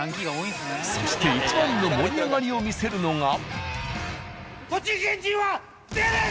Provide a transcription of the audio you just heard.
そしていちばんの盛り上がりを見せるのが。